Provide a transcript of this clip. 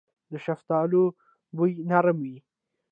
د شفتالو بوی نرم وي.